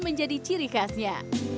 ini ciri khasnya